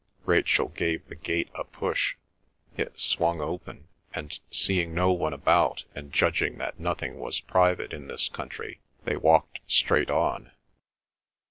Rachel gave the gate a push; it swung open, and, seeing no one about and judging that nothing was private in this country, they walked straight on.